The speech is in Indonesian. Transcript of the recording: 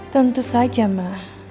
tentu saja ma